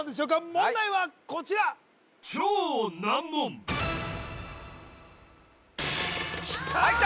問題はこちらきた！